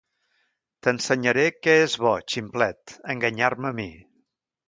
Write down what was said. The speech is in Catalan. T'ensenyaré què és bo, ximplet. Enganyar-me a mi!